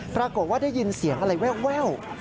ปรากฏว่าได้ยินเสียงอะไรแว่ว